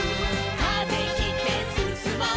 「風切ってすすもう」